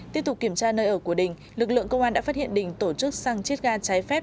tiếp tục kiểm tra nơi ở của đình lực lượng công an đã phát hiện đình tổ chức xăng chiết ga trái phép